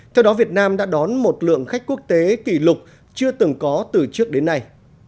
theo đó việt nam đã đón một lượng khách quốc tế kỷ lục chưa từng có từ trước đến nay